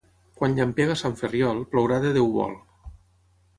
Quan llampega a Sant Ferriol, plourà de Déu vol.